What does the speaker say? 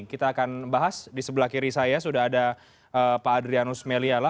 kita akan bahas di sebelah kiri saya sudah ada pak adrianus meliala